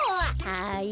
はい？